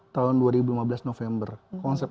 tahun dua ribu lima belas november konsep